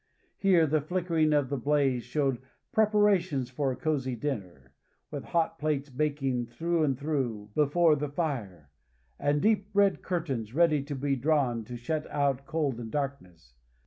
Here, the flickering of the blaze showed preparations for a cosy dinner, with hot plates baking through and through before the fire, and deep red curtains, ready to be drawn to shut out cold and darkness.